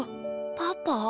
パパ？